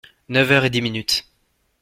Neuf heures et dix minutes.